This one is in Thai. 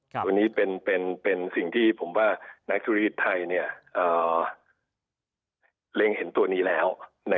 วันนี้เป็นสิ่งที่ผมว่านักธุรกิจไทยเล็งเห็นตัวนี้แล้ว